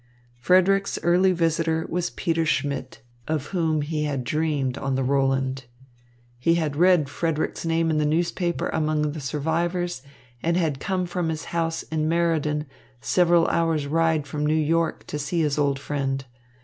Frederick's early visitor was Peter Schmidt, of whom he had dreamed on the Roland. He had read Frederick's name in the newspaper among the survivors and had come from his home in Meriden, several hours' ride from New York, to see his old friend.